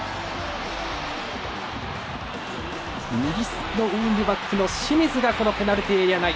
右のウィングバックの清水がこのペナルティーエリア内。